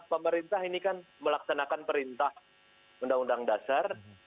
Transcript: pemerintah ini kan melaksanakan perintah undang undang dasar